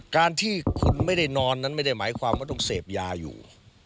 การที่คนไม่ได้นอนนั้นไม่ได้หมายความว่าต้องเสพยาอยู่